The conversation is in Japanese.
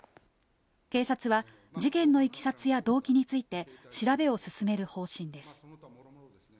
警察は事件のいきさつや動機について調べを進める方針です。